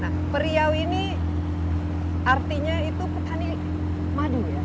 nah periau ini artinya itu petani madu ya